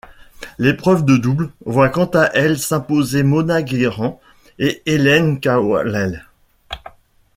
L'épreuve de double voit quant à elle s'imposer Mona Guerrant et Helen Cawley.